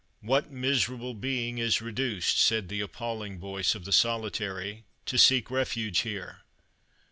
"What miserable being is reduced," said the appalling voice of the Solitary, "to seek refuge here?